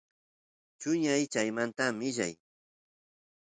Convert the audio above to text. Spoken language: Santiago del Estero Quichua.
chuñay chaymanta millay